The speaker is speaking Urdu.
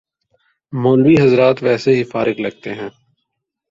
مولوی حضرات ویسے ہی فارغ لگتے ہیں۔